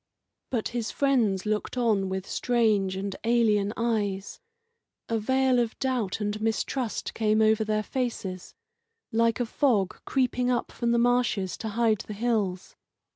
But his friends looked on with strange and alien eyes. A veil of doubt and mistrust came over their faces, like a fog creeping up from the marshes to hide the hills.